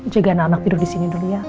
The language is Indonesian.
jagain anak anak tidur disini dulu ya